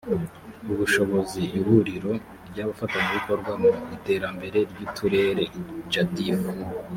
ubushobozi ihuriro ry abafatanyabikorwa mu iterambere ry uturere jadf